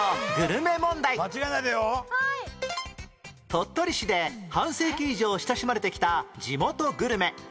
鳥取市で半世紀以上親しまれてきた地元グルメ